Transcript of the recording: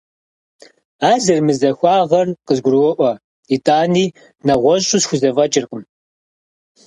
Ар зэрымызахуагъэр къызгуроӀуэ, итӀани, нэгъуэщӀу схузэфӀэкӀыркъым.